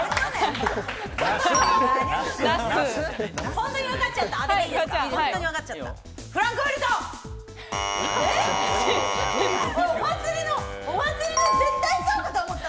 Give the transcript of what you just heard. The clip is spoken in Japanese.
本当にわかっちゃった。